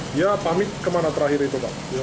dia pamit kemana terakhir itu pak